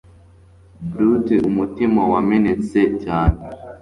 Brute umutima wa menetse cyane.